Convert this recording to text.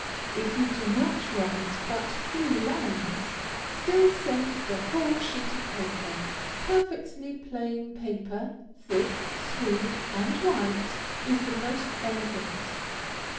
If you do not write but three lines, still send the whole sheet of paper. Perfectly plain paper, thick, smooth, and white, is the most elegant.